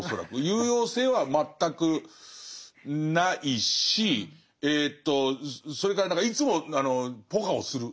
有用性は全くないしえとそれから何かいつもポカをする。